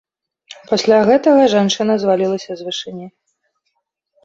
Пасля гэтага жанчына звалілася з вышыні.